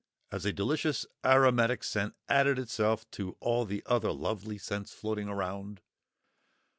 as a delicious aromatic scent added itself to all the other lovely scents floating around?